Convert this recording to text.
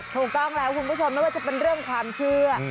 ถูกต้องแล้วคุณผู้ชมไม่ว่าจะเป็นเรื่องความเชื่อ